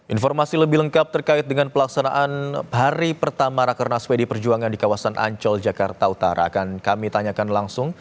informasi lebih lengkap terkait dengan pelaksanaan hari pertama rakernas pd perjuangan di kawasan ancol jakarta utara akan kami tanyakan langsung